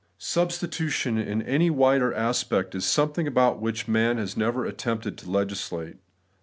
Substitution in any wider aspect is something about which man has never attempted to legislate.